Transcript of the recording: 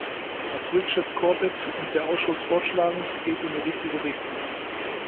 Was Richard Corbett und der Ausschuss vorschlagen, geht in die richtige Richtung.